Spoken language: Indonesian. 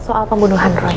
soal pembunuhan roy